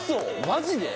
マジで！？